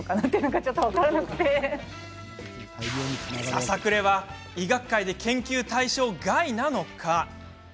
ささくれは医学界で研究対象外なのか？